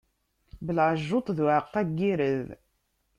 Belɛejjuṭ d uɛeqqa n yired.